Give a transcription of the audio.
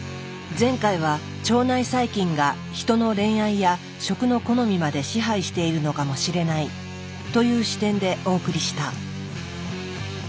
前回は腸内細菌がヒトの恋愛や食の好みまで支配しているのかもしれないという視点でお送りした。